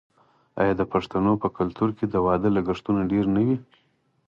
آیا د پښتنو په کلتور کې د واده لګښتونه ډیر نه وي؟